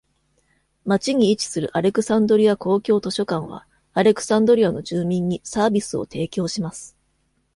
町に位置するアレクサンドリア公共図書館は、アレクサンドリアの住民にサービスを提供します。